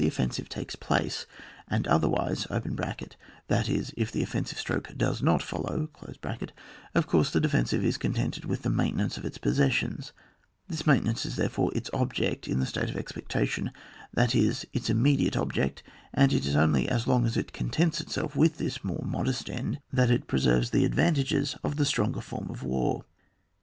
87 offensive takes place ; and otherwise (that is, if the offensiye stroke does not follow) of course the defensive is con tented with the maintenance of its pos sessions; this maintenance is therefore its object in the state of expectation, that is, its immediate object; and it is only as long as it contents itself with this more modest end, that it preserves the advantages of the stronger form of war.